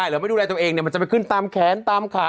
หรือเราไม่ดูดอะไรตัวเองเนี่ยมันจะไปขึ้นตามแขนตามขา